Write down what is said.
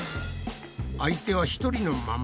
相手は１人のまま。